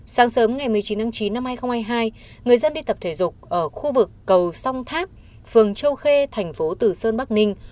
sáng sớm ngày một mươi chín tháng chín năm hai nghìn hai mươi hai người dân đi tập thể dục ở khu vực cầu song tháp phường châu khê thành phố tử sơn bắc ninh